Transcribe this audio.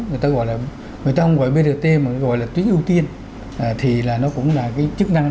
người ta không gọi là brt mà gọi là tuyến ưu tiên thì nó cũng là cái chức năng